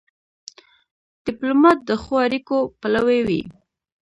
ډيپلومات د ښو اړیکو پلوی وي.